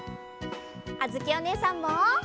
あづきおねえさんも。